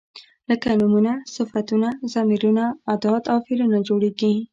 لکه نومونه، صفتونه، ضمیرونه، ادات او فعلونه جوړیږي.